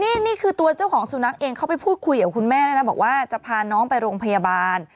นี่นี่คือตัวเจ้าของสุนัขเองเขาไปพูดคุยกับคุณแม่ด้วยนะบอกว่าจะพาน้องไปโรงพยาบาล